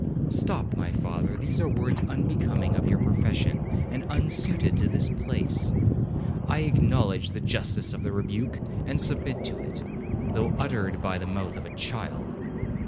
'Stop, my father, these are words unbecoming your profession, and unsuited to this place.' 'I acknowledge the justice of the rebuke, and submit to it, though uttered by the mouth of a child.'